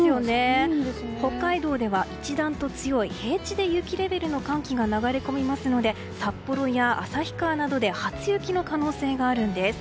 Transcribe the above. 北海道では一段と強い平地で雪レベルの寒気が流れ込みますので札幌や旭川などで初雪の可能性があるんです。